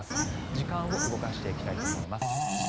時間を動かしていきたいと思います。